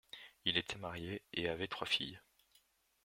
Il était marié et avait trois filles.